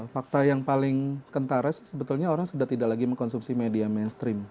fakta yang paling kentara sebetulnya orang sudah tidak lagi mengkonsumsi media mainstream